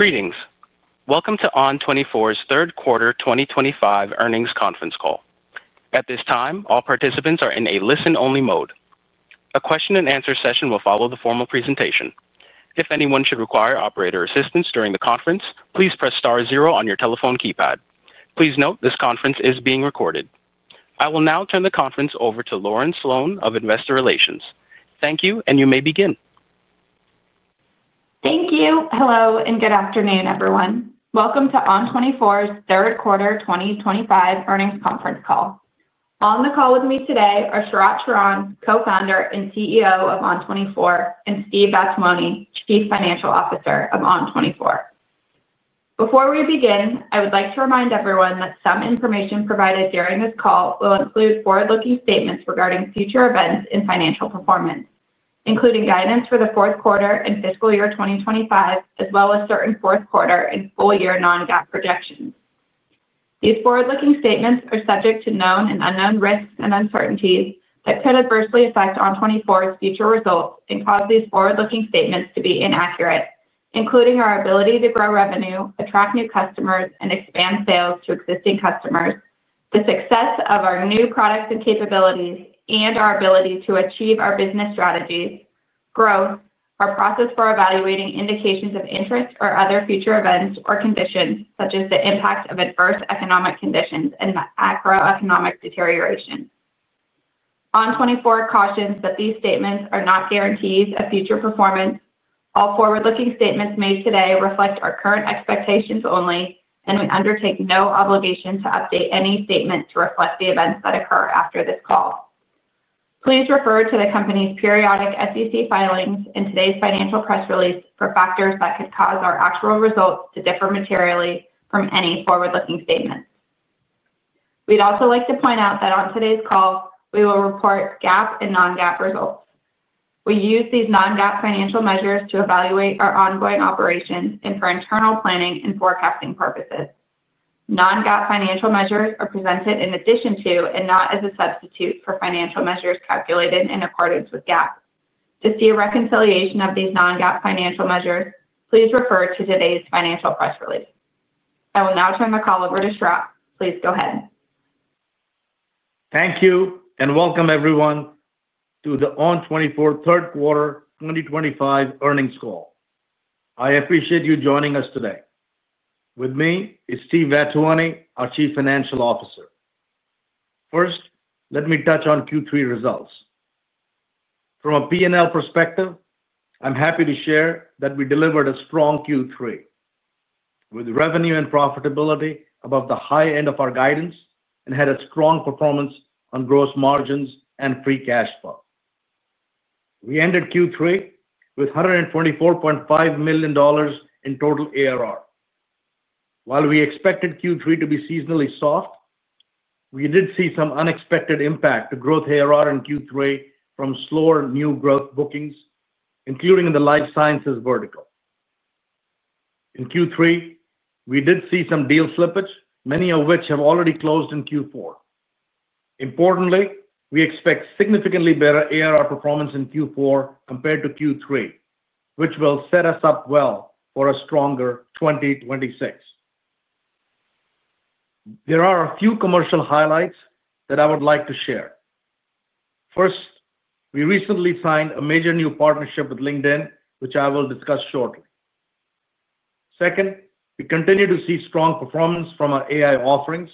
Greetings. Welcome to ON24's Third Quarter 2025 Earnings Conference Call. At this time, all participants are in a listen-only mode. A question-and-answer session will follow the formal presentation. If anyone should require operator assistance during the conference, please press star zero on your telephone keypad. Please note this conference is being recorded. I will now turn the conference over to Lauren Sloane of Investor Relations. Thank you, and you may begin. Thank you. Hello, and good afternoon, everyone. Welcome to ON24's third quarter 2025 earnings conference call. On the call with me today are Sharat Sharan, Co-founder and CEO of ON24, and Steve Vattuone, Chief Financial Officer of ON24. Before we begin, I would like to remind everyone that some information provided during this call will include forward-looking statements regarding future events in financial performance, including guidance for the fourth quarter and fiscal year 2025, as well as certain fourth quarter and full-year non-GAAP projections. These forward-looking statements are subject to known and unknown risks and uncertainties that could adversely affect ON24's future results and cause these forward-looking statements to be inaccurate, including our ability to grow revenue, attract new customers, and expand sales to existing customers, the success of our new products and capabilities, and our ability to achieve our business strategies, growth, our process for evaluating indications of interest or other future events or conditions, such as the impact of adverse economic conditions and macroeconomic deterioration. ON24 cautions that these statements are not guarantees of future performance. All forward-looking statements made today reflect our current expectations only, and we undertake no obligation to update any statement to reflect the events that occur after this call. Please refer to the company's periodic SEC filings and today's financial press release for factors that could cause our actual results to differ materially from any forward-looking statements. We'd also like to point out that on today's call, we will report GAAP and non-GAAP results. We use these non-GAAP financial measures to evaluate our ongoing operations and for internal planning and forecasting purposes. Non-GAAP financial measures are presented in addition to and not as a substitute for financial measures calculated in accordance with GAAP. To see a reconciliation of these non-GAAP financial measures, please refer to today's financial press release. I will now turn the call over to Sharat. Please go ahead. Thank you, and welcome everyone to the ON24 third quarter 2025 earnings call. I appreciate you joining us today. With me is Steve Vattuone, our Chief Financial Officer. First, let me touch on Q3 results. From a P&L perspective, I'm happy to share that we delivered a strong Q3 with revenue and profitability above the high end of our guidance and had a strong performance on gross margins and free cash flow. We ended Q3 with $124.5 million in total ARR. While we expected Q3 to be seasonally soft, we did see some unexpected impact to growth ARR in Q3 from slower new growth bookings, including in the life sciences vertical. In Q3, we did see some deal slippage, many of which have already closed in Q4. Importantly, we expect significantly better ARR performance in Q4 compared to Q3, which will set us up well for a stronger 2026. There are a few commercial highlights that I would like to share. First, we recently signed a major new partnership with LinkedIn, which I will discuss shortly. Second, we continue to see strong performance from our AI offerings.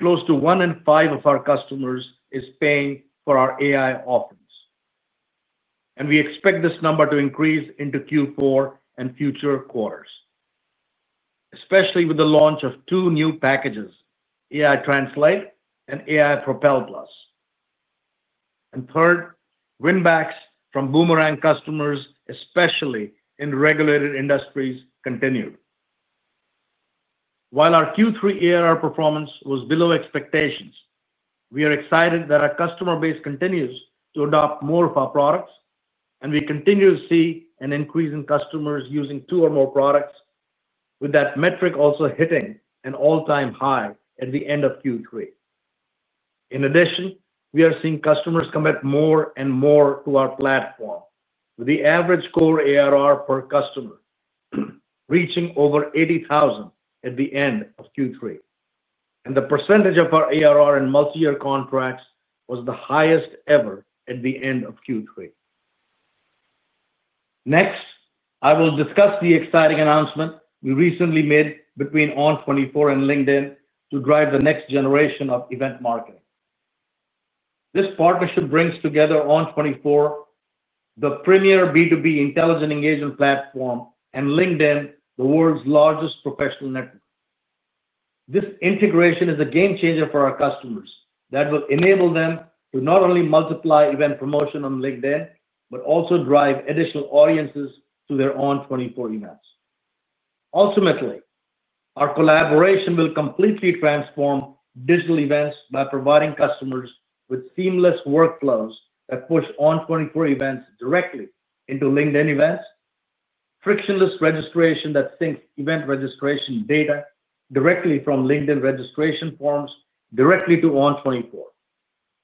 Close to one in five of our customers is paying for our AI offerings, and we expect this number to increase into Q4 and future quarters, especially with the launch of two new packages, AI Translate and AI Propel Plus. Third, win-backs from Boomerang customers, especially in regulated industries, continued. While our Q3 ARR performance was below expectations, we are excited that our customer base continues to adopt more of our products, and we continue to see an increase in customers using two or more products, with that metric also hitting an all-time high at the end of Q3. In addition, we are seeing customers commit more and more to our platform, with the average core ARR per customer reaching over $80,000 at the end of Q3, and the percentage of our ARR in multi-year contracts was the highest ever at the end of Q3. Next, I will discuss the exciting announcement we recently made between ON24 and LinkedIn to drive the next generation of event marketing. This partnership brings together ON24, the premier B2B intelligent engagement platform, and LinkedIn, the world's largest professional network. This integration is a game changer for our customers that will enable them to not only multiply event promotion on LinkedIn, but also drive additional audiences to their ON24 events. Ultimately, our collaboration will completely transform digital events by providing customers with seamless workflows that push ON24 events directly into LinkedIn events, frictionless registration that syncs event registration data directly from LinkedIn registration forms directly to ON24,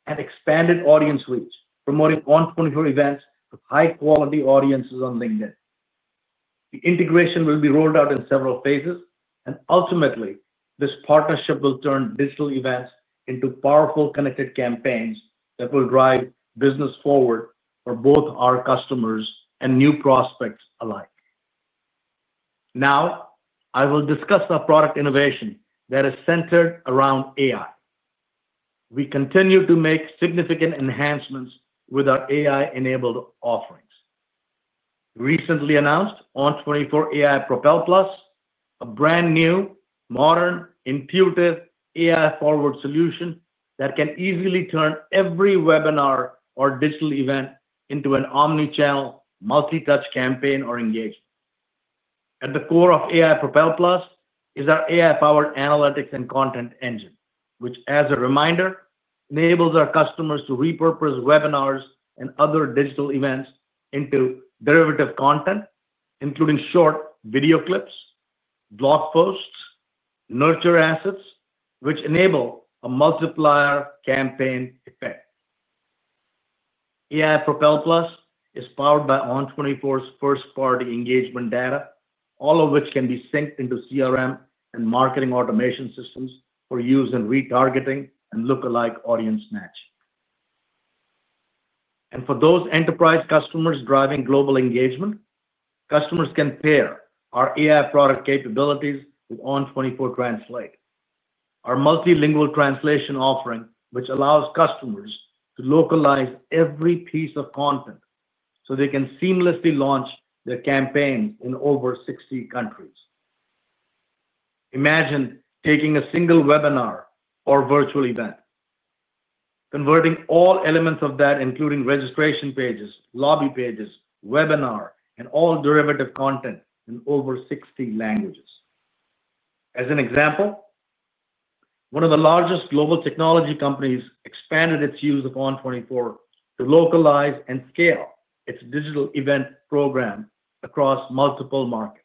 and expanded audience reach, promoting ON24 events with high-quality audiences on LinkedIn. The integration will be rolled out in several phases, and ultimately, this partnership will turn digital events into powerful connected campaigns that will drive business forward for both our customers and new prospects alike. Now, I will discuss a product innovation that is centered around AI. We continue to make significant enhancements with our AI-enabled offerings. Recently announced ON24 AI Propel Plus, a brand new, modern, intuitive AI-forward solution that can easily turn every webinar or digital event into an omnichannel multi-touch campaign or engagement. At the core of AI Propel Plus is our AI-powered analytics and content engine, which, as a reminder, enables our customers to repurpose webinars and other digital events into derivative content, including short video clips, blog posts, and nurture assets, which enable a multiplier campaign effect. AI Propel Plus is powered by ON24's first-party engagement data, all of which can be synced into CRM and marketing automation systems for use in retargeting and lookalike audience matching. For those enterprise customers driving global engagement, customers can pair our AI product capabilities with ON24 Translate, our multilingual translation offering, which allows customers to localize every piece of content so they can seamlessly launch their campaigns in over 60 countries. Imagine taking a single webinar or virtual event, converting all elements of that, including registration pages, lobby pages, webinars, and all derivative content in over 60 languages. As an example, one of the largest global technology companies expanded its use of ON24 to localize and scale its digital event program across multiple markets.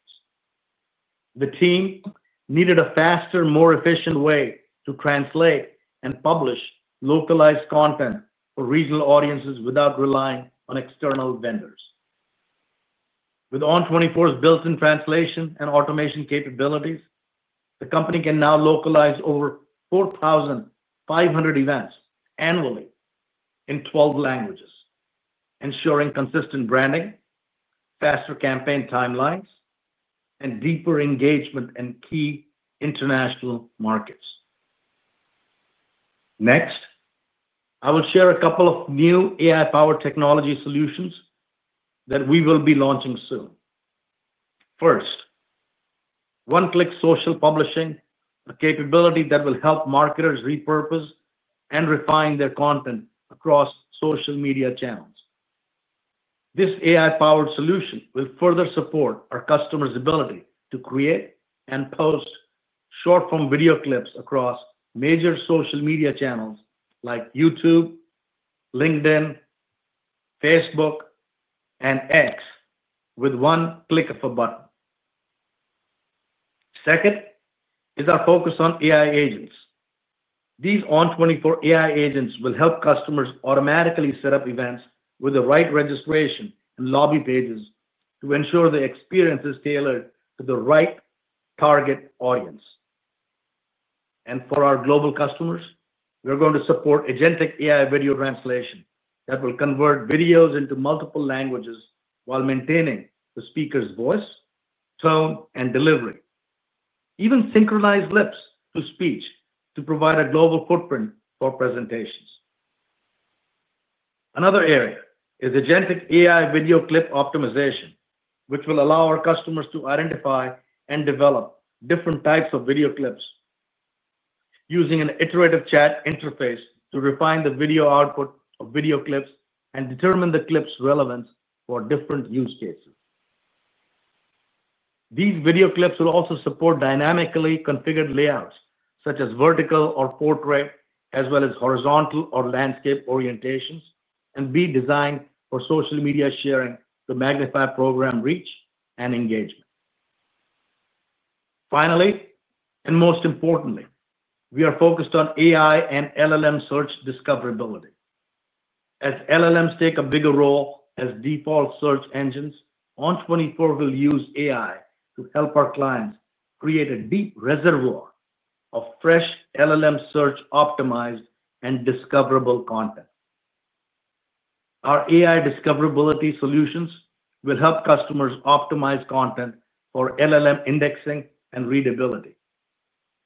The team needed a faster, more efficient way to translate and publish localized content for regional audiences without relying on external vendors. With ON24's built-in translation and automation capabilities, the company can now localize over 4,500 events annually in 12 languages, ensuring consistent branding, faster campaign timelines, and deeper engagement in key international markets. Next, I will share a couple of new AI-powered technology solutions that we will be launching soon. First, OneClick Social Publishing, a capability that will help marketers repurpose and refine their content across social media channels. This AI-powered solution will further support our customers' ability to create and post short-form video clips across major social media channels like YouTube, LinkedIn, Facebook, and X with one click of a button. Second is our focus on AI agents. These ON24 AI agents will help customers automatically set up events with the right registration and lobby pages to ensure the experience is tailored to the right target audience. For our global customers, we're going to support agentic AI video translation that will convert videos into multiple languages while maintaining the speaker's voice, tone, and delivery, even synchronize clips to speech to provide a global footprint for presentations. Another area is agentic AI video clip optimization, which will allow our customers to identify and develop different types of video clips using an iterative chat interface to refine the video output of video clips and determine the clip's relevance for different use cases. These video clips will also support dynamically configured layouts, such as vertical or portrait, as well as horizontal or landscape orientations, and be designed for social media sharing to magnify program reach and engagement. Finally, and most importantly, we are focused on AI and LLM search discoverability. As LLMs take a bigger role as default search engines, ON24 will use AI to help our clients create a deep reservoir of fresh LLM search-optimized and discoverable content. Our AI discoverability solutions will help customers optimize content for LLM indexing and readability,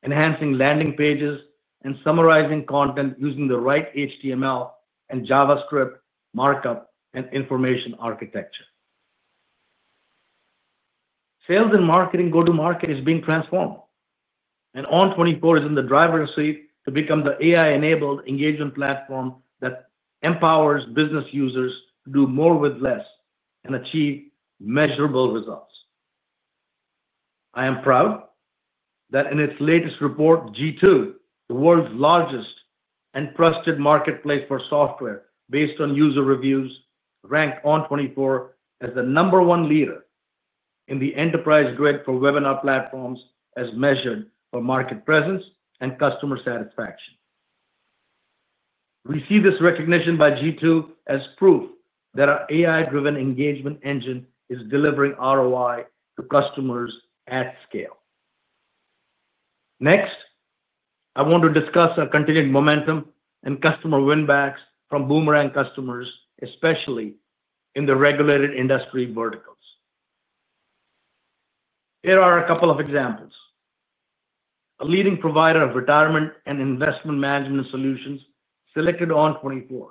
enhancing landing pages and summarizing content using the right HTML and JavaScript markup and information architecture. Sales and marketing go-to-market is being transformed, and ON24 is in the driver's seat to become the AI-enabled engagement platform that empowers business users to do more with less and achieve measurable results. I am proud that in its latest report, G2, the world's largest and trusted marketplace for software based on user reviews, ranked ON24 as the number one leader in the enterprise grid for webinar platforms as measured for market presence and customer satisfaction. We see this recognition by G2 as proof that our AI-driven engagement engine is delivering ROI to customers at scale. Next, I want to discuss our continued momentum and customer win-backs from Boomerang customers, especially in the regulated industry verticals. Here are a couple of examples. A leading provider of retirement and investment management solutions selected ON24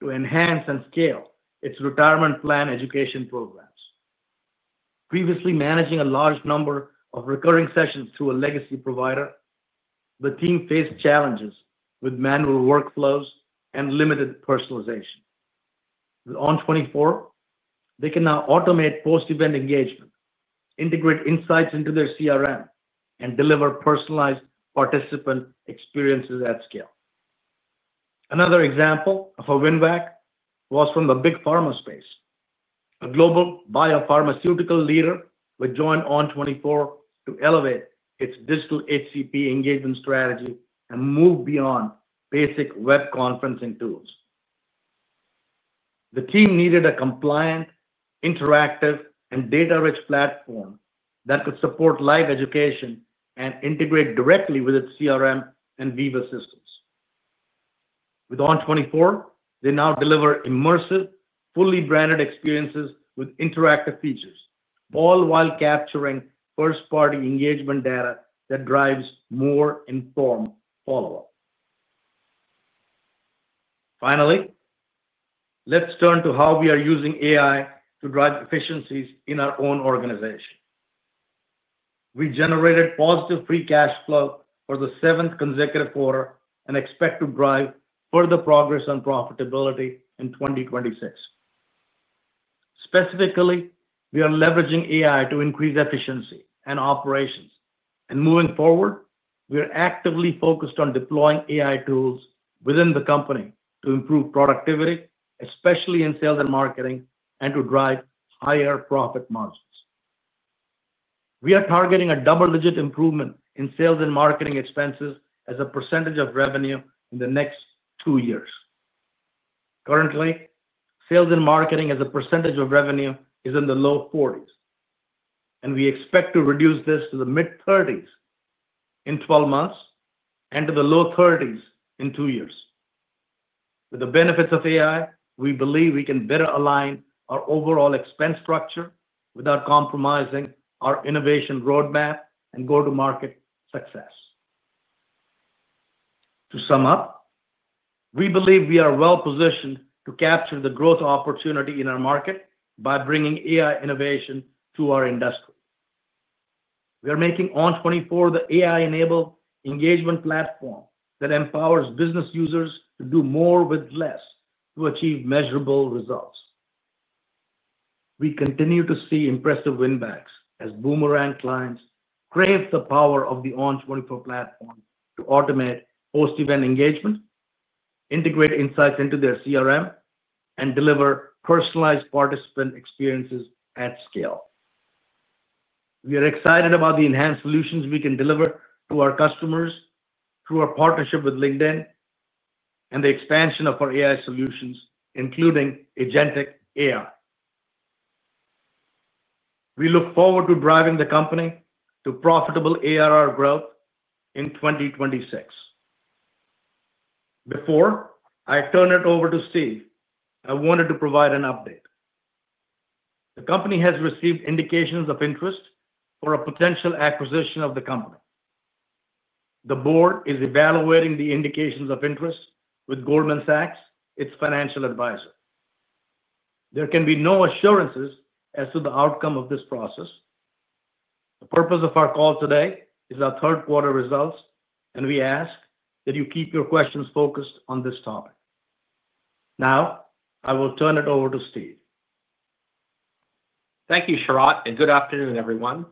to enhance and scale its retirement plan education programs. Previously managing a large number of recurring sessions through a legacy provider, the team faced challenges with manual workflows and limited personalization. With ON24, they can now automate post-event engagement, integrate insights into their CRM, and deliver personalized participant experiences at scale. Another example of a win-back was from the big pharma space. A global biopharmaceutical leader would join ON24 to elevate its digital HCP engagement strategy and move beyond basic web conferencing tools. The team needed a compliant, interactive, and data-rich platform that could support live education and integrate directly with its CRM and Viva systems. With ON24, they now deliver immersive, fully branded experiences with interactive features, all while capturing first-party engagement data that drives more informed follow-up. Finally, let's turn to how we are using AI to drive efficiencies in our own organization. We generated positive free cash flow for the seventh consecutive quarter and expect to drive further progress on profitability in 2026. Specifically, we are leveraging AI to increase efficiency and operations. Moving forward, we are actively focused on deploying AI tools within the company to improve productivity, especially in sales and marketing, and to drive higher profit margins. We are targeting a double-digit improvement in sales and marketing expenses as a percentage of revenue in the next two years. Currently, sales and marketing as a percentage of revenue is in the low 40s, and we expect to reduce this to the mid-30s in 12 months and to the low 30s in two years. With the benefits of AI, we believe we can better align our overall expense structure without compromising our innovation roadmap and go-to-market success. To sum up, we believe we are well positioned to capture the growth opportunity in our market by bringing AI innovation to our industry. We are making ON24 the AI-enabled engagement platform that empowers business users to do more with less to achieve measurable results. We continue to see impressive win-backs as Boomerang clients crave the power of the ON24 platform to automate post-event engagement, integrate insights into their CRM, and deliver personalized participant experiences at scale. We are excited about the enhanced solutions we can deliver to our customers through our partnership with LinkedIn and the expansion of our AI solutions, including agentic AI. We look forward to driving the company to profitable ARR growth in 2026. Before I turn it over to Steve, I wanted to provide an update. The company has received indications of interest for a potential acquisition of the company. The board is evaluating the indications of interest with Goldman Sachs, its financial advisor. There can be no assurances as to the outcome of this process. The purpose of our call today is our third-quarter results, and we ask that you keep your questions focused on this topic. Now, I will turn it over to Steve. Thank you, Sharat, and good afternoon, everyone.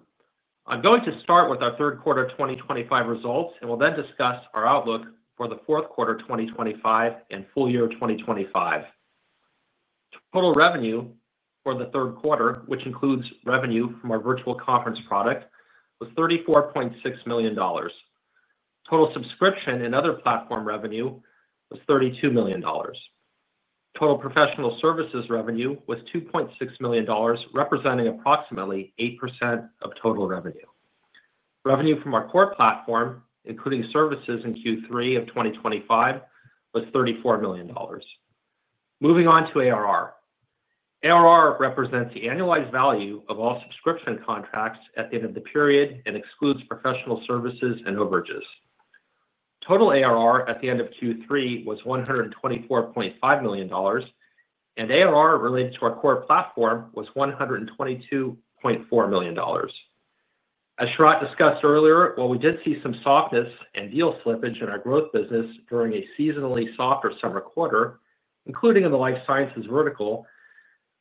I'm going to start with our third quarter 2025 results, and we'll then discuss our outlook for the fourth quarter 2025 and full year 2025. Total revenue for the third quarter, which includes revenue from our Virtual Conference Product, was $34.6 million. Total subscription and other platform revenue was $32 million. Total professional services revenue was $2.6 million, representing approximately 8% of total revenue. Revenue from our core platform, including services in Q3 of 2025, was $34 million. Moving on to ARR. ARR represents the annualized value of all subscription contracts at the end of the period and excludes professional services and overages. Total ARR at the end of Q3 was $124.5 million, and ARR related to our core platform was $122.4 million. As Sharat discussed earlier, while we did see some softness and deal slippage in our growth business during a seasonally softer summer quarter, including in the life sciences vertical,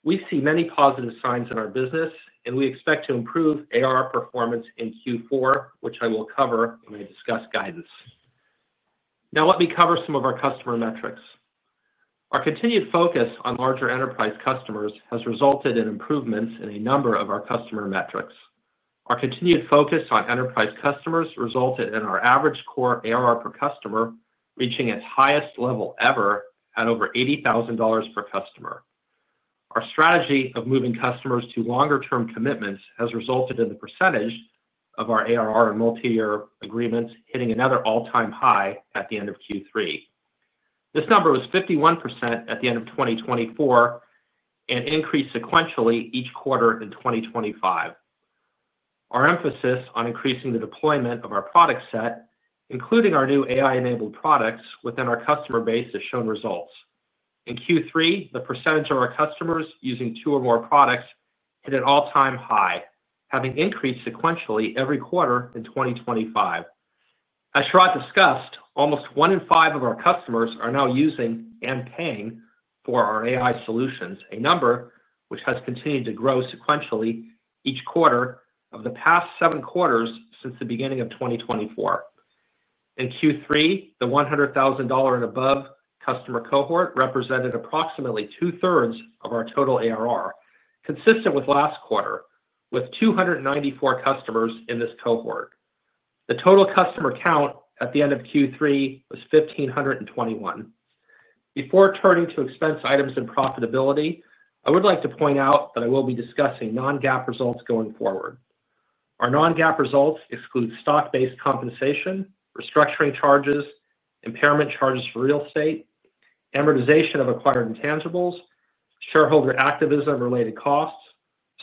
we see many positive signs in our business, and we expect to improve ARR performance in Q4, which I will cover when I discuss guidance. Now, let me cover some of our customer metrics. Our continued focus on larger enterprise customers has resulted in improvements in a number of our customer metrics. Our continued focus on enterprise customers resulted in our average core ARR per customer reaching its highest level ever at over $80,000 per customer. Our strategy of moving customers to longer-term commitments has resulted in the percentage of our ARR and multi-year agreements hitting another all-time high at the end of Q3. This number was 51% at the end of 2024 and increased sequentially each quarter in 2025. Our emphasis on increasing the deployment of our product set, including our new AI-enabled products within our customer base, has shown results. In Q3, the percentage of our customers using two or more products hit an all-time high, having increased sequentially every quarter in 2025. As Sharat discussed, almost one in five of our customers are now using and paying for our AI solutions, a number which has continued to grow sequentially each quarter of the past seven quarters since the beginning of 2024. In Q3, the $100,000 and above customer cohort represented approximately two-thirds of our total ARR, consistent with last quarter, with 294 customers in this cohort. The total customer count at the end of Q3 was 1,521. Before turning to expense items and profitability, I would like to point out that I will be discussing non-GAAP results going forward. Our non-GAAP results exclude stock-based compensation, restructuring charges, impairment charges for real estate, amortization of acquired intangibles, shareholder activism-related costs,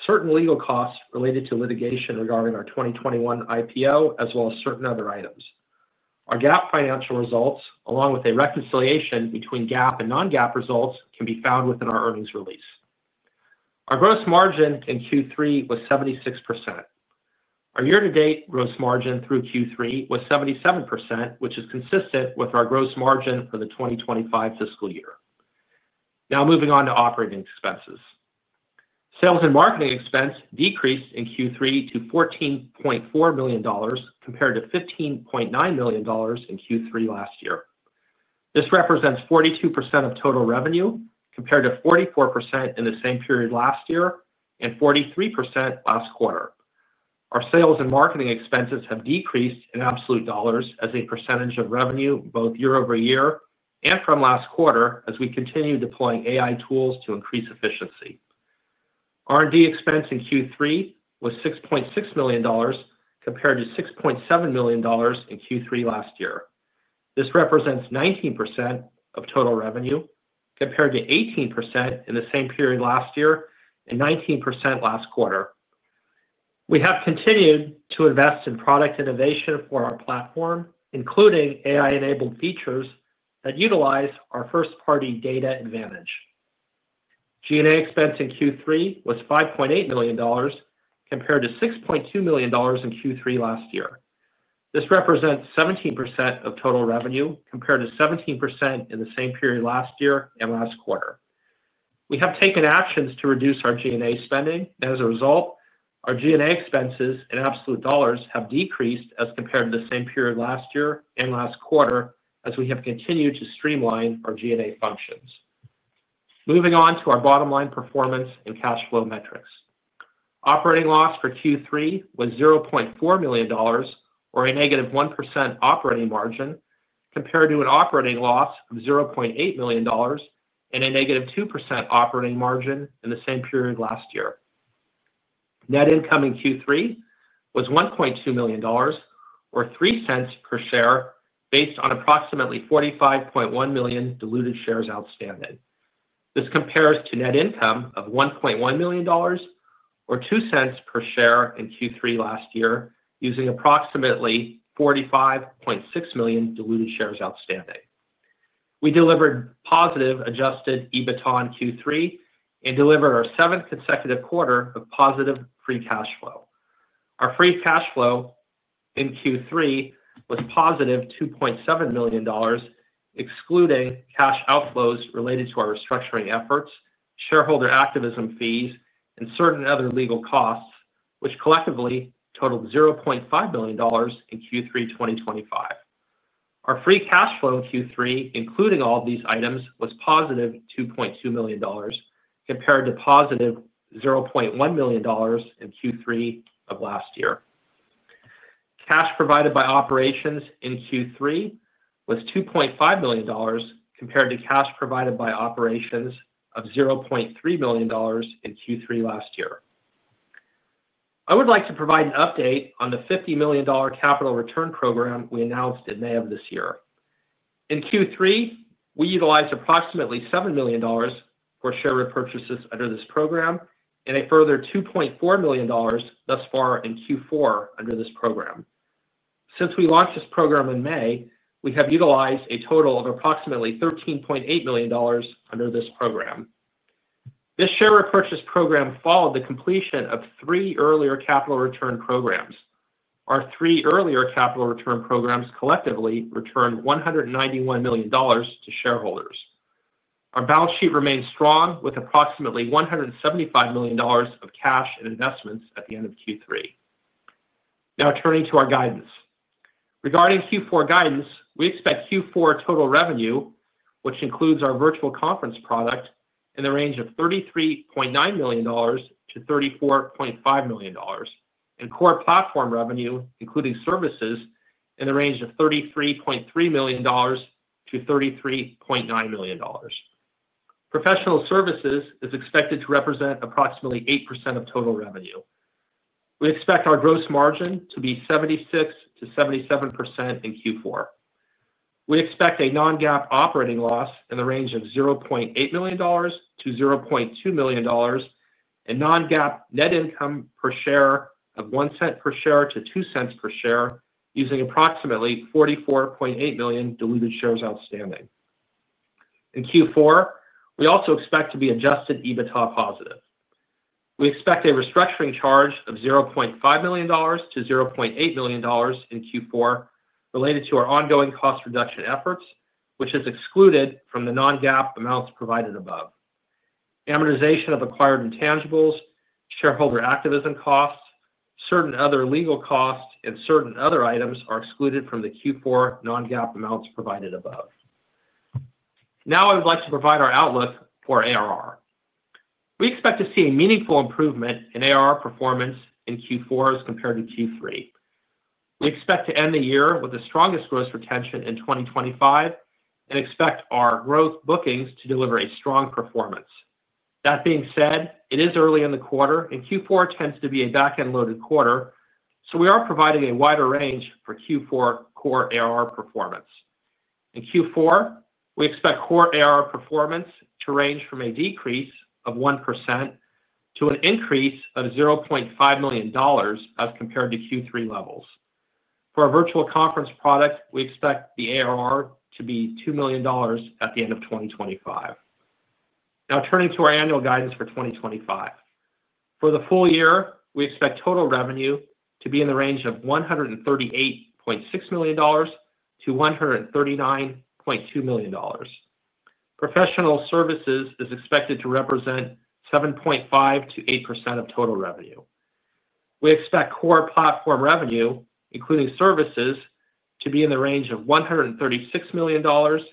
certain legal costs related to litigation regarding our 2021 IPO, as well as certain other items. Our GAAP financial results, along with a reconciliation between GAAP and non-GAAP results, can be found within our earnings release. Our gross margin in Q3 was 76%. Our year-to-date gross margin through Q3 was 77%, which is consistent with our gross margin for the 2025 fiscal year. Now, moving on to operating expenses. Sales and marketing expense decreased in Q3 to $14.4 million compared to $15.9 million in Q3 last year. This represents 42% of total revenue compared to 44% in the same period last year and 43% last quarter. Our sales and marketing expenses have decreased in absolute dollars as a percentage of revenue both year-over-year and from last quarter as we continue deploying AI tools to increase efficiency. R&D expense in Q3 was $6.6 million compared to $6.7 million in Q3 last year. This represents 19% of total revenue compared to 18% in the same period last year and 19% last quarter. We have continued to invest in product innovation for our platform, including AI-enabled features that utilize our first-party data advantage. G&A expense in Q3 was $5.8 million compared to $6.2 million in Q3 last year. This represents 17% of total revenue compared to 17% in the same period last year and last quarter. We have taken actions to reduce our G&A spending, and as a result, our G&A expenses in absolute dollars have decreased as compared to the same period last year and last quarter as we have continued to streamline our G&A functions. Moving on to our bottom-line performance and cash flow metrics. Operating loss for Q3 was $0.4 million, or a negative 1% operating margin, compared to an operating loss of $0.8 million and a negative 2% operating margin in the same period last year. Net income in Q3 was $1.2 million, or 3 cents per share, based on approximately 45.1 million diluted shares outstanding. This compares to net income of $1.1 million, or 2 cents per share in Q3 last year, using approximately 45.6 million diluted shares outstanding. We delivered positive adjusted EBITDA in Q3 and delivered our seventh consecutive quarter of positive free cash flow. Our free cash flow in Q3 was positive $2.7 million, excluding cash outflows related to our restructuring efforts, shareholder activism fees, and certain other legal costs, which collectively totaled $0.5 million in Q3 2023. Our free cash flow in Q3, including all of these items, was positive $2.2 million compared to positive $0.1 million in Q3 of last year. Cash provided by operations in Q3 was $2.5 million compared to cash provided by operations of $0.3 million in Q3 last year. I would like to provide an update on the $50 million capital return program we announced in May of this year. In Q3, we utilized approximately $7 million for share repurchases under this program and a further $2.4 million thus far in Q4 under this program. Since we launched this program in May, we have utilized a total of approximately $13.8 million under this program. This share repurchase program followed the completion of three earlier capital return programs. Our three earlier capital return programs collectively returned $191 million to shareholders. Our balance sheet remained strong with approximately $175 million of cash and investments at the end of Q3. Now, turning to our guidance. Regarding Q4 guidance, we expect Q4 total revenue, which includes our virtual conference product, in the range of $33.9 million to $34.5 million, and core platform revenue, including services, in the range of $33.3 million to $33.9 million. Professional services is expected to represent approximately 8% of total revenue. We expect our gross margin to be 76% to 77% in Q4. We expect a non-GAAP operating loss in the range of $0.8 million to $0.2 million and non-GAAP net income per share of $0.01 per share to $0.02 per share, using approximately 44.8 million diluted shares outstanding. In Q4, we also expect to be adjusted EBITDA positive. We expect a restructuring charge of $0.5 million to $0.8 million in Q4 related to our ongoing cost reduction efforts, which is excluded from the non-GAAP amounts provided above. Amortization of acquired intangibles, shareholder activism costs, certain other legal costs, and certain other items are excluded from the Q4 non-GAAP amounts provided above. Now, I would like to provide our outlook for ARR. We expect to see a meaningful improvement in ARR performance in Q4 as compared to Q3. We expect to end the year with the strongest gross retention in 2025 and expect our growth bookings to deliver a strong performance. That being said, it is early in the quarter, and Q4 tends to be a back-end loaded quarter, so we are providing a wider range for Q4 core ARR performance. In Q4, we expect core ARR performance to range from a decrease of 1% to an increase of $500,000 as compared to Q3 levels. For our virtual conference product, we expect the ARR to be $2 million at the end of 2025. Now, turning to our annual guidance for 2025. For the full year, we expect total revenue to be in the range of $138.6 million to $139.2 million. Professional services is expected to represent 7.5%-8% of total revenue. We expect core platform revenue, including services, to be in the range of $136 million to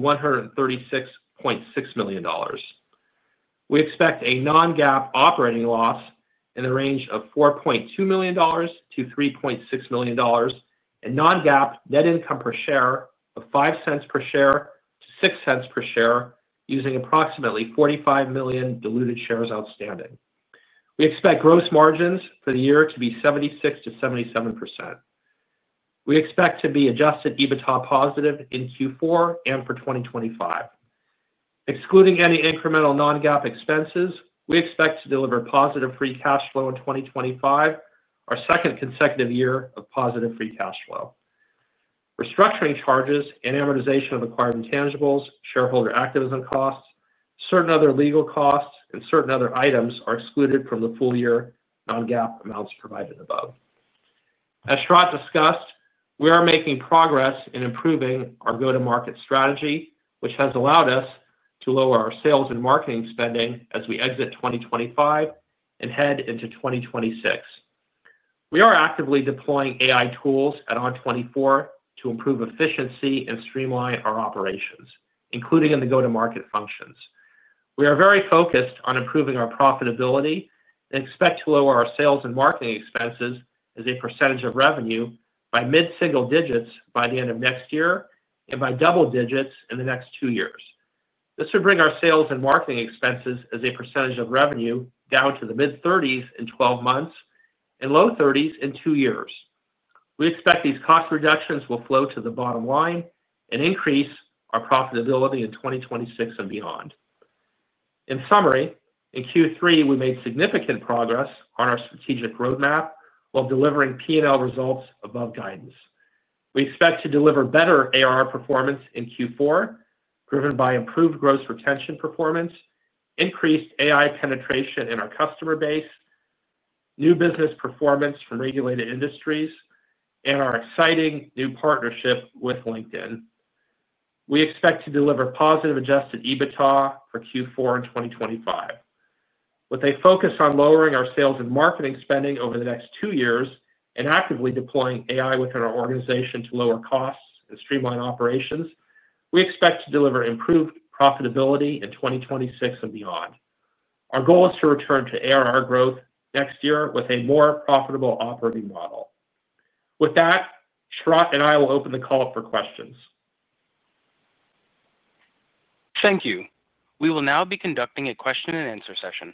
$136.6 million. We expect a non-GAAP operating loss in the range of $4.2 million to $3.6 million and non-GAAP net income per share of $0.05 per share-$0.06 per share, using approximately 45 million diluted shares outstanding. We expect gross margins for the year to be 76%-77%. We expect to be adjusted EBITDA positive in Q4 and for 2025. Excluding any incremental non-GAAP expenses, we expect to deliver positive free cash flow in 2025, our second consecutive year of positive free cash flow. Restructuring charges and amortization of acquired intangibles, shareholder activism costs, certain other legal costs, and certain other items are excluded from the full year non-GAAP amounts provided above. As Sharat discussed, we are making progress in improving our go-to-market strategy, which has allowed us to lower our sales and marketing spending as we exit 2025 and head into 2026. We are actively deploying AI tools at ON24 to improve efficiency and streamline our operations, including in the go-to-market functions. We are very focused on improving our profitability and expect to lower our sales and marketing expenses as a percentage of revenue by mid-single digits by the end of next year and by double digits in the next two years. This would bring our sales and marketing expenses as a percentage of revenue down to the mid-30s in 12 months and low 30s in two years. We expect these cost reductions will flow to the bottom line and increase our profitability in 2026 and beyond. In summary, in Q3, we made significant progress on our strategic roadmap while delivering P&L results above guidance. We expect to deliver better ARR performance in Q4, driven by improved gross retention performance, increased AI penetration in our customer base, new business performance from regulated industries, and our exciting new partnership with LinkedIn. We expect to deliver positive adjusted EBITDA for Q4 in 2025, with a focus on lowering our sales and marketing spending over the next two years and actively deploying AI within our organization to lower costs and streamline operations. We expect to deliver improved profitability in 2026 and beyond. Our goal is to return to ARR growth next year with a more profitable operating model. With that, Sharat and I will open the call for questions. Thank you. We will now be conducting a question-and-answer session.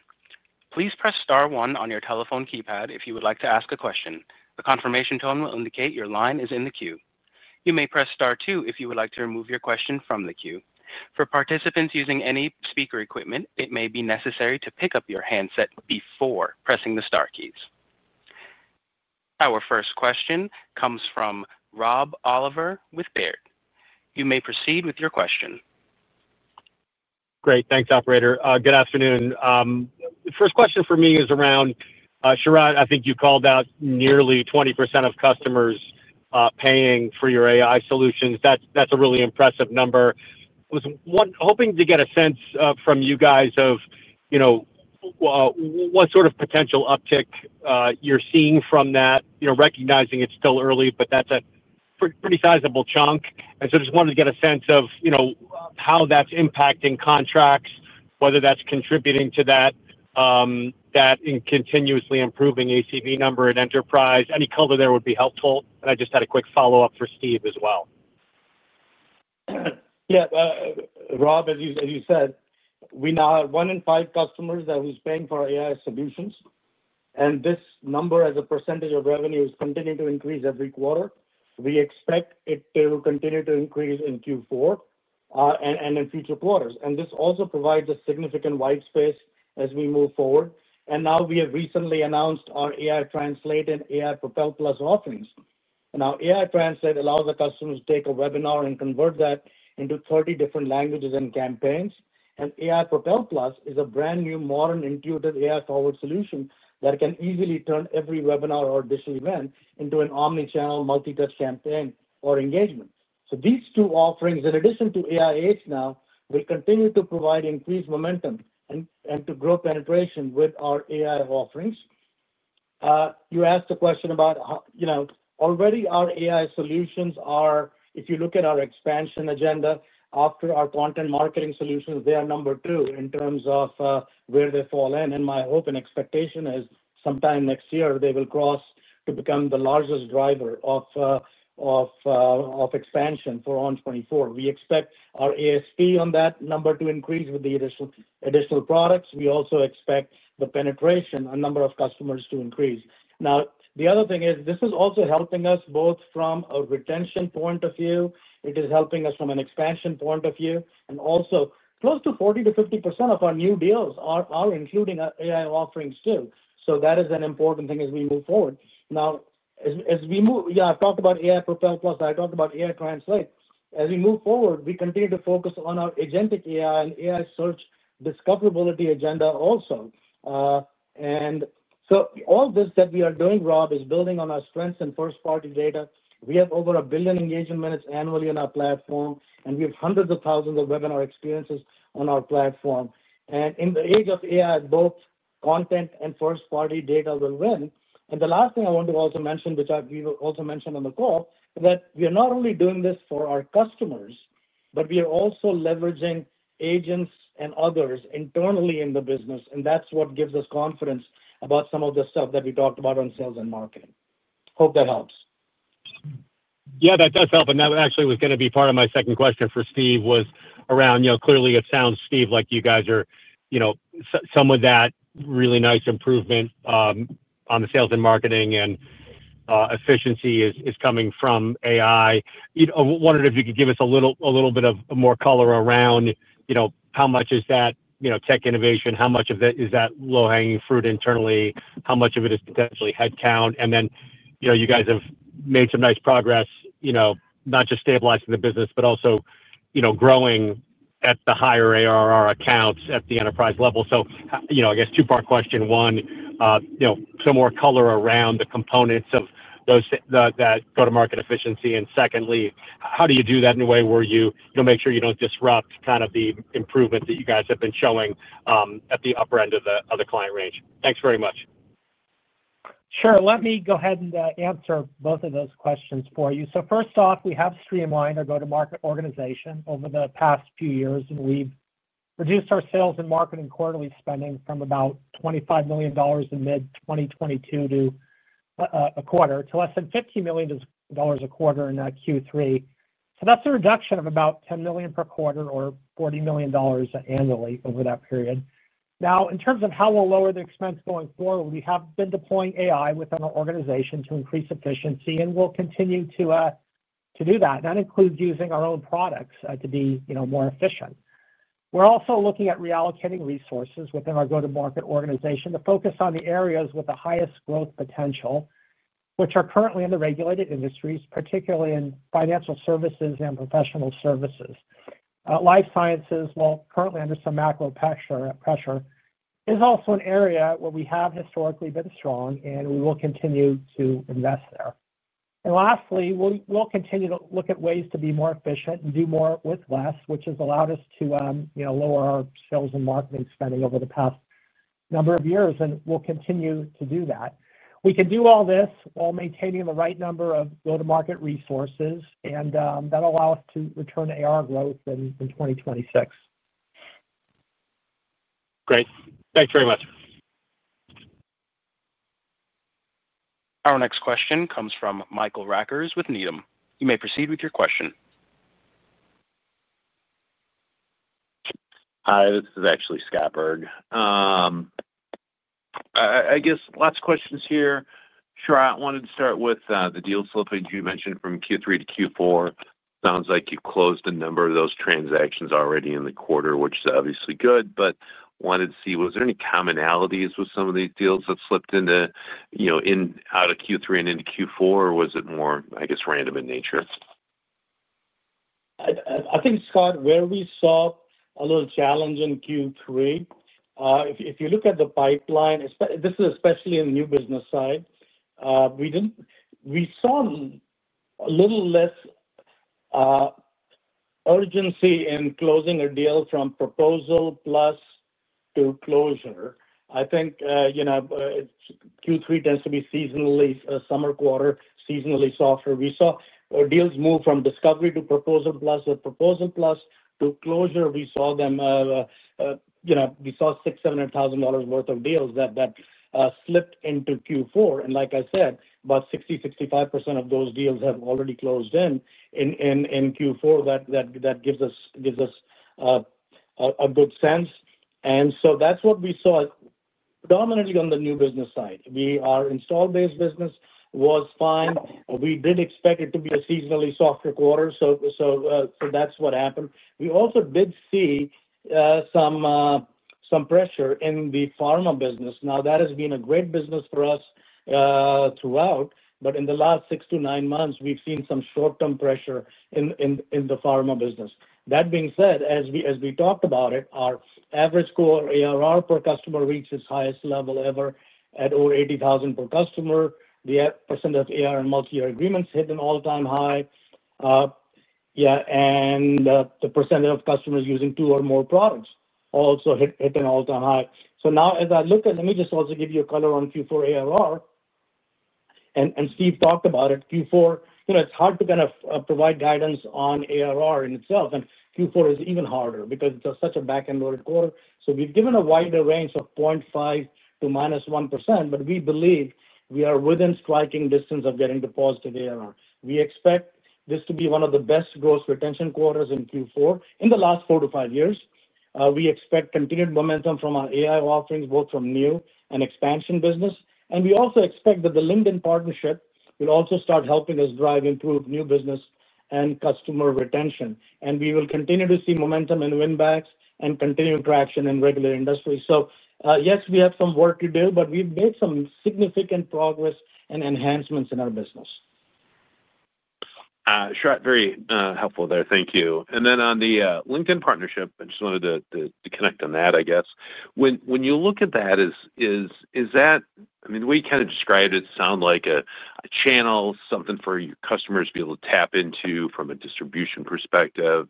Please press Star one on your telephone keypad if you would like to ask a question. The confirmation tone will indicate your line is in the queue. You may press Star two if you would like to remove your question from the queue. For participants using any speaker equipment, it may be necessary to pick up your handset before pressing the Star keys. Our first question comes from Rob Oliver with Baird. You may proceed with your question. Great. Thanks, Operator. Good afternoon. The first question for me is around, Sharat, I think you called out nearly 20% of customers paying for your AI solutions. That's a really impressive number. I was hoping to get a sense from you guys of what sort of potential uptick you're seeing from that, recognizing it's still early, but that's a pretty sizable chunk. I just wanted to get a sense of how that's impacting contracts, whether that's contributing to that and continuously improving ACV number at enterprise. Any color there would be helpful. I just had a quick follow-up for Steve as well. Yeah. Rob, as you said, we now have one in five customers that is paying for our AI solutions. This number, as a percentage of revenue, is continuing to increase every quarter. We expect it to continue to increase in Q4 and in future quarters. This also provides a significant white space as we move forward. We have recently announced our AI Translate and AI Propel Plus offerings. Our AI Translate allows our customers to take a webinar and convert that into 30 different languages and campaigns. AI Propel Plus is a brand new, modern, intuitive AI-powered solution that can easily turn every webinar or digital event into an omnichannel multi-touch campaign or engagement. These two offerings, in addition to AIH now, will continue to provide increased momentum and to grow penetration with our AI offerings. You asked a question about already our AI solutions are, if you look at our expansion agenda after our content marketing solutions, they are number two in terms of where they fall in. My hope and expectation is sometime next year they will cross to become the largest driver of expansion for ON24. We expect our ASP on that number to increase with the additional products. We also expect the penetration, a number of customers to increase. The other thing is this is also helping us both from a retention point of view. It is helping us from an expansion point of view. Also, close to 40% to 50% of our new deals are including AI offerings still. That is an important thing as we move forward. Now, as we move, yeah, I have talked about AI Propel Plus. I talked about AI Translate. As we move forward, we continue to focus on our agentic AI and AI search discoverability agenda also. All this that we are doing, Rob, is building on our strengths in first-party data. We have over a billion engagement minutes annually on our platform, and we have hundreds of thousands of webinar experiences on our platform. In the age of AI, both content and first-party data will win. The last thing I want to also mention, which we will also mention on the call, is that we are not only doing this for our customers, but we are also leveraging agents and others internally in the business. That's what gives us confidence about some of the stuff that we talked about on sales and marketing. Hope that helps. Yeah, that does help. That actually was going to be part of my second question for Steve, was around, clearly, it sounds, Steve, like you guys are, some of that really nice improvement on the sales and marketing and efficiency is coming from AI. I wondered if you could give us a little bit more color around how much is that tech innovation, how much of that is that low-hanging fruit internally, how much of it is potentially headcount. You guys have made some nice progress, not just stabilizing the business, but also growing at the higher ARR accounts at the enterprise level. I guess two-part question. One, some more color around the components of that go-to-market efficiency. Secondly, how do you do that in a way where you make sure you do not disrupt kind of the improvement that you guys have been showing at the upper end of the client range? Thanks very much. Sure. Let me go ahead and answer both of those questions for you. First off, we have streamlined our go-to-market organization over the past few years. We have reduced our sales and marketing quarterly spending from about $25 million in mid-2022 to less than $15 million a quarter in Q3. That is a reduction of about $10 million per quarter or $40 million annually over that period. Now, in terms of how we will lower the expense going forward, we have been deploying AI within our organization to increase efficiency, and we will continue to do that. That includes using our own products to be more efficient. We're also looking at reallocating resources within our go-to-market organization to focus on the areas with the highest growth potential, which are currently in the regulated industries, particularly in financial services and professional services. Life sciences, while currently under some macro pressure, is also an area where we have historically been strong, and we will continue to invest there. Lastly, we'll continue to look at ways to be more efficient and do more with less, which has allowed us to lower our sales and marketing spending over the past number of years, and we'll continue to do that. We can do all this while maintaining the right number of go-to-market resources, and that'll allow us to return to ARR growth in 2026. Great. Thanks very much. Our next question comes from Michael Rackers with Needham. You may proceed with your question. Hi, this is actually Scott Berg. I guess last questions here. Sharat, I wanted to start with the deal slippage you mentioned from Q3 to Q4. Sounds like you closed a number of those transactions already in the quarter, which is obviously good, but wanted to see, was there any commonalities with some of these deals that slipped in out of Q3 and into Q4, or was it more, I guess, random in nature? I think, Scott, where we saw a little challenge in Q3, if you look at the pipeline, this is especially in the new business side, we saw a little less urgency in closing a deal from proposal plus to closure. I think Q3 tends to be seasonally, summer quarter, seasonally softer. We saw deals move from discovery to proposal plus. The proposal plus to closure, we saw them, we saw $6,000 to $8,000 worth of deals that slipped into Q4. Like I said, about 60% to 65% of those deals have already closed in Q4. That gives us a good sense. That is what we saw predominantly on the new business side. Our install-based business was fine. We did expect it to be a seasonally softer quarter, so that is what happened. We also did see some pressure in the pharma business. Now, that has been a great business for us throughout, but in the last six to nine months, we have seen some short-term pressure in the pharma business. That being said, as we talked about it, our average core ARR per customer reached its highest level ever at over $80,000 per customer. The percent of ARR and multi-year agreements hit an all-time high. Yeah. The percentage of customers using two or more products also hit an all-time high. Now, as I look at, let me just also give you a color on Q4 ARR. Steve talked about it. Q4, it's hard to kind of provide guidance on ARR in itself. Q4 is even harder because it's such a back-and-forth quarter. We've given a wider range of 0.5% to -1%, but we believe we are within striking distance of getting to positive ARR. We expect this to be one of the best gross retention quarters in Q4 in the last four to five years. We expect continued momentum from our AI offerings, both from new and expansion business. We also expect that the LinkedIn partnership will also start helping us drive improved new business and customer retention. We will continue to see momentum in win-backs and continued traction in regular industries. Yes, we have some work to do, but we've made some significant progress and enhancements in our business. Sharat, very helpful there. Thank you. On the LinkedIn partnership, I just wanted to connect on that, I guess. When you look at that, is that, I mean, we kind of described it, it sounds like a channel, something for your customers to be able to tap into from a distribution perspective.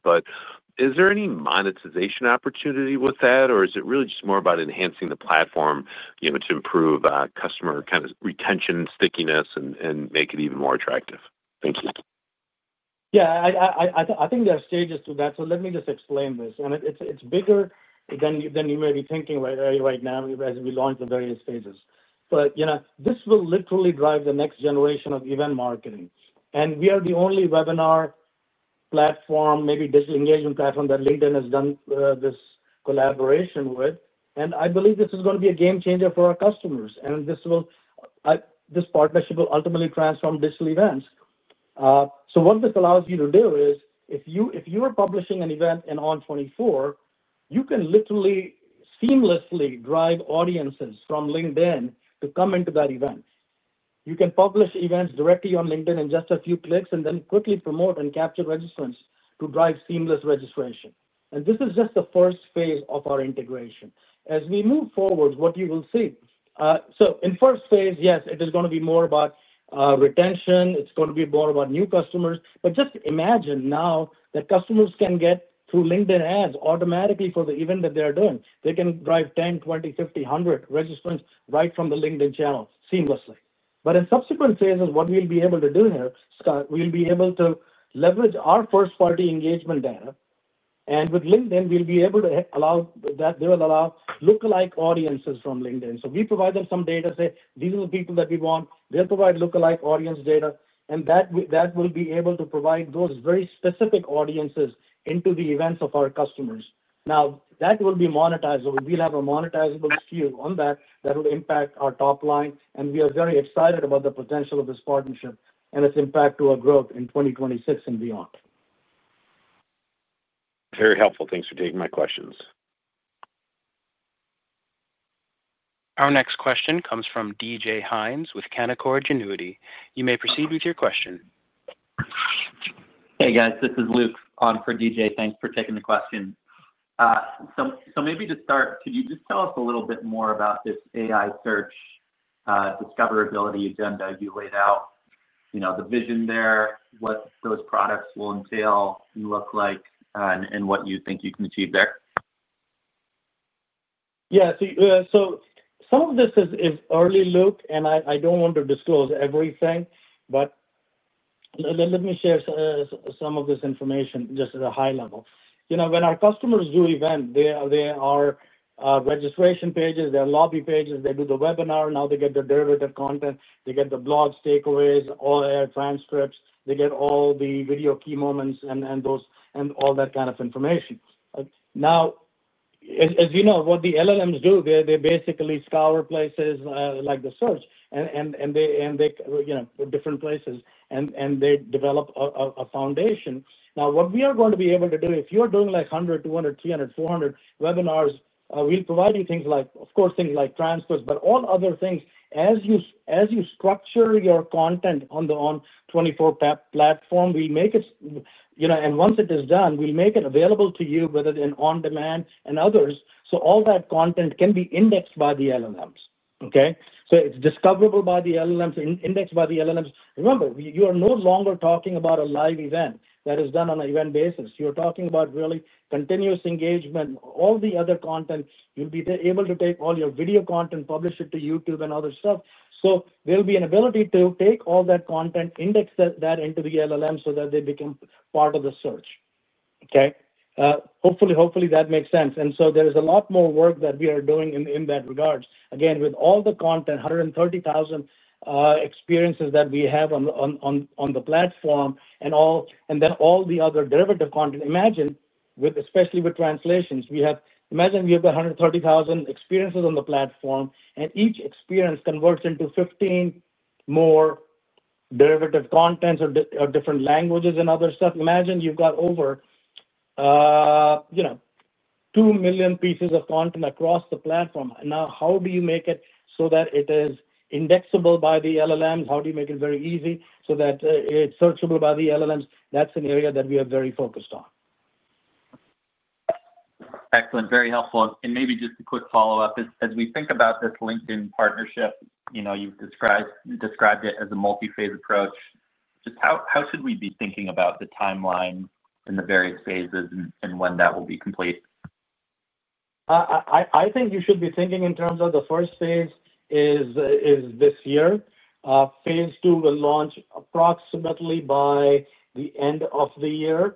Is there any monetization opportunity with that, or is it really just more about enhancing the platform to improve customer kind of retention and stickiness and make it even more attractive? Thank you. Yeah. I think there are stages to that. Let me just explain this. It is bigger than you may be thinking right now as we launch the various phases. This will literally drive the next generation of event marketing. We are the only webinar platform, maybe digital engagement platform, that LinkedIn has done this collaboration with. I believe this is going to be a game changer for our customers. This partnership will ultimately transform digital events. What this allows you to do is, if you are publishing an event in ON24, you can literally seamlessly drive audiences from LinkedIn to come into that event. You can publish events directly on LinkedIn in just a few clicks and then quickly promote and capture registrants to drive seamless registration. This is just the first phase of our integration. As we move forward, what you will see, in first phase, yes, it is going to be more about retention. It is going to be more about new customers. Just imagine now that customers can get through LinkedIn ads automatically for the event that they are doing. They can drive 10, 20, 50, 100 registrants right from the LinkedIn channel seamlessly. In subsequent phases, what we'll be able to do here, Scott, we'll be able to leverage our first-party engagement data. With LinkedIn, we'll be able to allow that they will allow lookalike audiences from LinkedIn. We provide them some data to say, "These are the people that we want." They'll provide lookalike audience data. That will be able to provide those very specific audiences into the events of our customers. That will be monetizable. We'll have a monetizable skew on that that will impact our top line. We are very excited about the potential of this partnership and its impact to our growth in 2026 and beyond. Very helpful. Thanks for taking my questions. Our next question comes from DJ Hines with Canaccord Genuity. You may proceed with your question. Hey, guys. This is Luke on for DJ. Thanks for taking the question. Maybe to start, could you just tell us a little bit more about this AI search discoverability agenda you laid out, the vision there, what those products will entail and look like, and what you think you can achieve there? Yeah. Some of this is early look, and I don't want to disclose everything. Let me share some of this information just at a high level. When our customers do events, they are registration pages. They have lobby pages. They do the webinar. Now they get the derivative content. They get the blogs, takeaways, all AI transcripts. They get all the video key moments and all that kind of information. Now, as you know, what the LLMs do, they basically scour places like the search and the different places, and they develop a foundation. Now, what we are going to be able to do, if you're doing like 100, 200, 300, 400 webinars, we'll provide you things like, of course, things like transcripts, but all other things. As you structure your content on the ON24 platform, we'll make it, and once it is done, we'll make it available to you, whether it's on demand and others. All that content can be indexed by the LLMs, okay? It is discoverable by the LLMs, indexed by the LLMs. Remember, you are no longer talking about a live event that is done on an event basis. You are talking about really continuous engagement. All the other content, you'll be able to take all your video content, publish it to YouTube and other stuff. There will be an ability to take all that content, index that into the LLM so that they become part of the search, okay? Hopefully, that makes sense. There is a lot more work that we are doing in that regard. Again, with all the content, 130,000 experiences that we have on the platform, and then all the other derivative content. Imagine, especially with translations, we have, imagine we have 130,000 experiences on the platform, and each experience converts into 15 more derivative contents or different languages and other stuff. Imagine you've got over 2 million pieces of content across the platform. Now, how do you make it so that it is indexable by the LLMs? How do you make it very easy so that it's searchable by the LLMs? That's an area that we are very focused on. Excellent. Very helpful. Maybe just a quick follow-up. As we think about this LinkedIn partnership, you've described it as a multi-phase approach. Just how should we be thinking about the timeline and the various phases and when that will be complete? I think you should be thinking in terms of the first phase is this year. Phase II will launch approximately by the end of the year,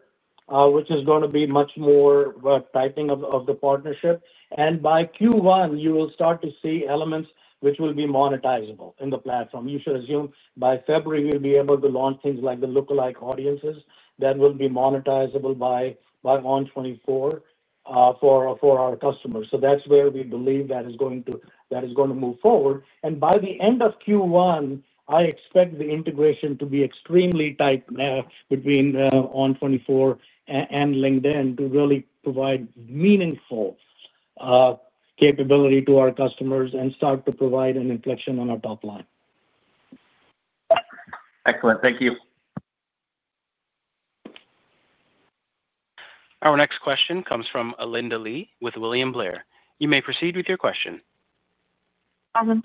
which is going to be much more tying of the partnership. By Q1, you will start to see elements which will be monetizable in the platform. You should assume by February, we'll be able to launch things like the lookalike audiences that will be monetizable by ON24 for our customers. That is where we believe that is going to move forward. By the end of Q1, I expect the integration to be extremely tight between ON24 and LinkedIn to really provide meaningful capability to our customers and start to provide an inflection on our top line. Excellent. Thank you. Our next question comes from Alinda Li with William Blair. You may proceed with your question.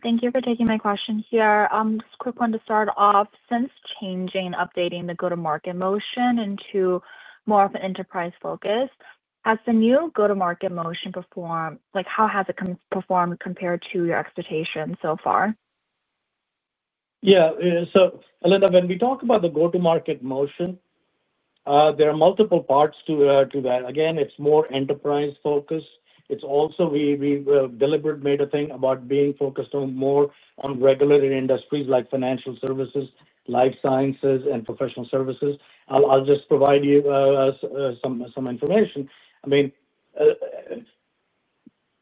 Thank you for taking my question here. Just a quick one to start off. Since changing, updating the go-to-market motion into more of an enterprise focus, has the new go-to-market motion performed? How has it performed compared to your expectations so far? Yeah. So Alinda, when we talk about the go-to-market motion, there are multiple parts to that. Again, it's more enterprise focus. It's also we deliberately made a thing about being focused more on regular industries like financial services, life sciences, and professional services. I'll just provide you some information. I mean,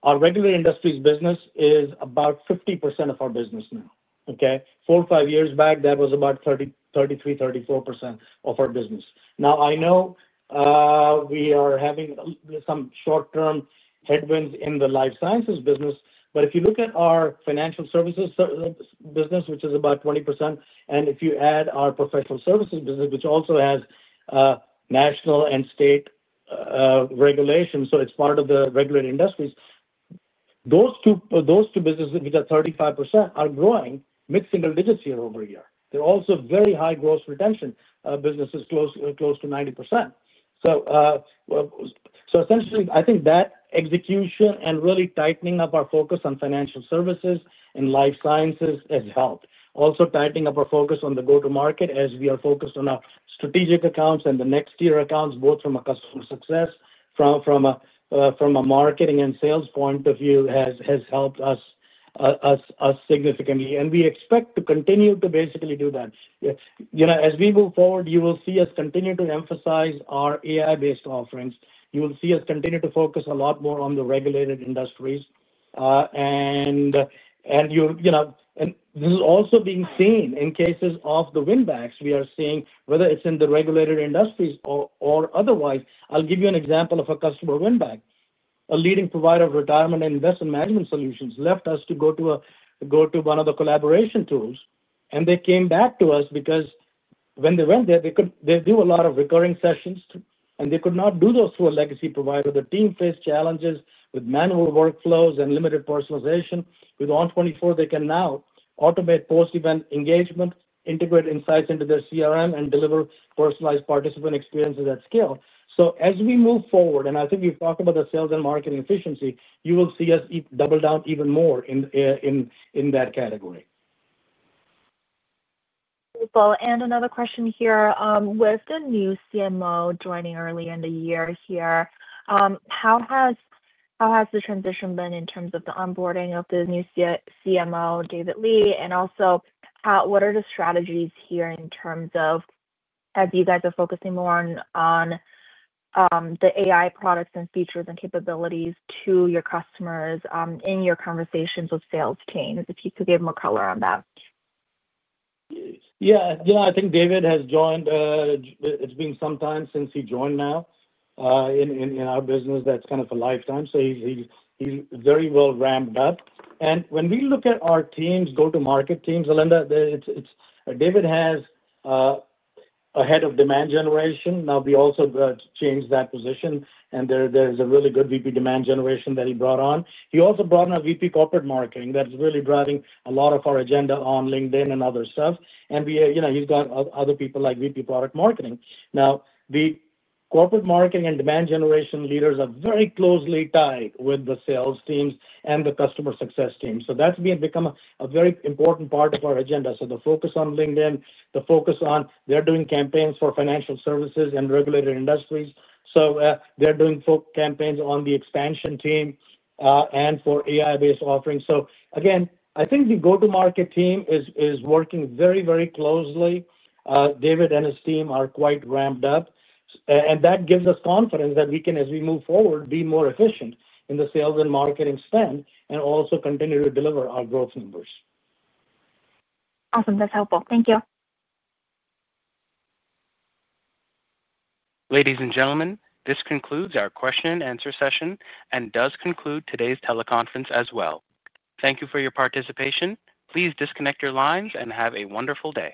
our regular industries business is about 50% of our business now, okay? Four, five years back, that was about 33, 34% of our business. Now, I know we are having some short-term headwinds in the life sciences business, but if you look at our financial services business, which is about 20%, and if you add our professional services business, which also has national and state regulations, so it's part of the regular industries, those two businesses, which are 35%, are growing mid single digits year-over-year. They're also very high gross retention businesses, close to 90%. Essentially, I think that execution and really tightening up our focus on financial services and life sciences has helped. Also tightening up our focus on the go-to-market as we are focused on our strategic accounts and the next-year accounts, both from a customer success, from a marketing and sales point of view, has helped us significantly. We expect to continue to basically do that. As we move forward, you will see us continue to emphasize our AI-based offerings. You will see us continue to focus a lot more on the regulated industries. This is also being seen in cases of the win-backs we are seeing, whether it's in the regulated industries or otherwise. I'll give you an example of a customer win-back. A leading provider of retirement and investment management solutions left us to go to one of the collaboration tools. They came back to us because when they went there, they do a lot of recurring sessions, and they could not do those through a legacy provider. The team faced challenges with manual workflows and limited personalization. With ON24, they can now automate post-event engagement, integrate insights into their CRM, and deliver personalized participant experiences at scale. As we move forward, and I think we've talked about the sales and marketing efficiency, you will see us double down even more in that category. Another question here. With the new CMO joining early in the year here, how has the transition been in terms of the onboarding of the new CMO, David Lee? Also, what are the strategies here in terms of as you guys are focusing more on the AI products and features and capabilities to your customers in your conversations with sales teams? If you could give more color on that. Yeah. Yeah. I think David has joined, it's been some time since he joined now in our business. That's kind of a lifetime. So he's very well ramped up. And when we look at our teams, go-to-market teams, Alinda, David has a head of demand generation. Now, we also changed that position. There is a really good VP demand generation that he brought on. He also brought on a VP Corporate Marketing that's really driving a lot of our agenda on LinkedIn and other stuff. He's got other people like VP Product Marketing. The Corporate Marketing and demand generation leaders are very closely tied with the sales teams and the customer success teams. That has become a very important part of our agenda. The focus on LinkedIn, the focus on they're doing campaigns for financial services and regulated industries. They're doing campaigns on the expansion team and for AI-based offerings. Again, I think the go-to-market team is working very, very closely. David and his team are quite ramped up. That gives us confidence that we can, as we move forward, be more efficient in the sales and marketing spend and also continue to deliver our growth numbers. Awesome. That's helpful. Thank you. Ladies and gentlemen, this concludes our question-and-answer session and does conclude today's teleconference as well. Thank you for your participation. Please disconnect your lines and have a wonderful day.